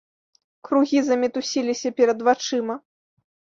Кругі замітусіліся перад вачыма.